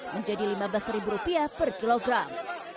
menjadi rp lima belas per kilogram